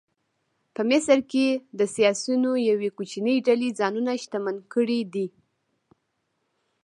په مصر کې د سیاسیونو یوې کوچنۍ ډلې ځانونه شتمن کړي دي.